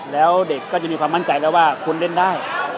แล้วเด็กก็จะมีความมั่นใจแล้วว่าคุณเล่นได้